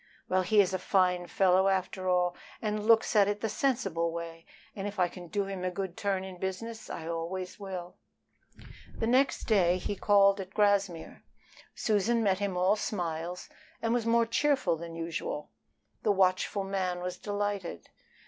Well, he is a fine fellow after all, and looks at it the sensible way, and if I can do him a good turn in business I always will." The next day he called at Grassmere. Susan met him all smiles and was more cheerful than usual. The watchful man was delighted.